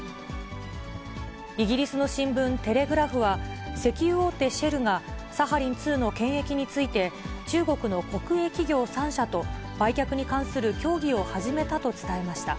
イギリスの新聞、テレグラフは、石油大手、シェルが、サハリン２の権益について、中国の国営企業３社と、売却に関する協議を始めたと伝えました。